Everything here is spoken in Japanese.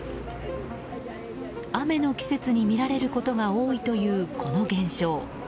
雨の季節に見られることが多いというこの現象。